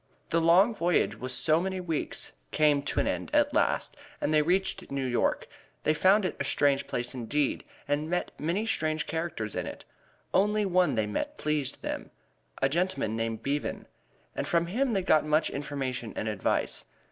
The long voyage of so many weeks came to an end at last, and they reached New York. They found it a strange place indeed, and met many strange characters in it. Only one they met pleased them: a gentleman named Bevan, and from him they got much information and advice.